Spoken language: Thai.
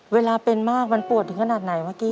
เวลาเป็นมากมันปวดถึงขนาดไหนเมื่อกี้